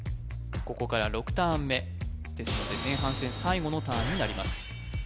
ここから６ターン目ですので前半戦最後のターンになります